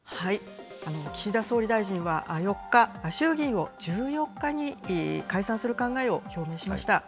岸田総理大臣は４日、衆議院を１４日に解散する考えを表明しました。